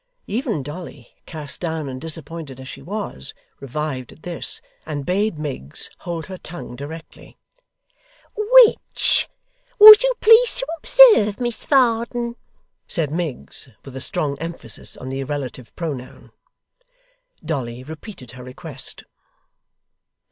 Even Dolly, cast down and disappointed as she was, revived at this, and bade Miggs hold her tongue directly. 'WHICH, was you pleased to observe, Miss Varden?' said Miggs, with a strong emphasis on the irrelative pronoun. Dolly repeated her request.